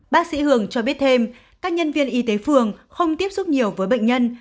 bác sĩ hường cho biết thêm các nhân viên y tế phường không tiếp xúc nhiều với bệnh nhân